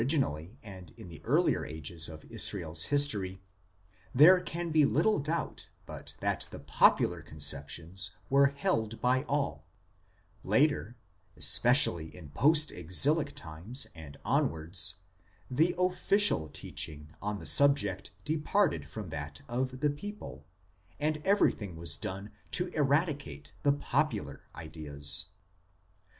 THE CONSTITUENT PARTS OF MAN 15 Israel s history, there can be little doubt but that the popular conceptions were held by all ; later, especially in post exilic times and onwards, the official teaching on the subject departed from that of the people, and everything was done to eradicate the popular ideas.